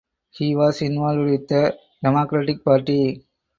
He was involved with the Democratic Party.